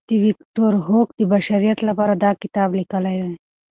ویکټور هوګو د بشریت لپاره دا کتاب لیکلی دی.